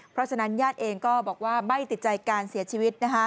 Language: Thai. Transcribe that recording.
เพราะฉะนั้นญาติเองก็บอกว่าไม่ติดใจการเสียชีวิต